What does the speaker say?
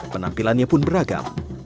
menampilannya pun beragam